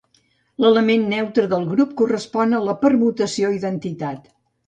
L'element neutre del grup correspon a la permutació identitat.